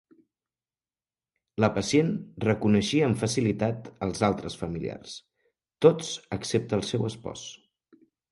La pacient reconeixia amb facilitat els altres familiars, tots excepte el seu espòs.